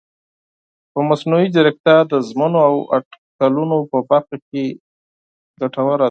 مصنوعي ځیرکتیا د ژمنو او اټکلونو په برخه کې ګټوره ده.